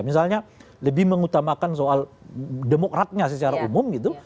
misalnya lebih mengutamakan soal demokratnya secara umum gitu